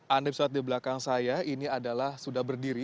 andi pesawat di belakang saya ini adalah sudah berdiri